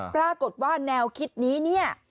ปรากฏว่าแนวคิดนี้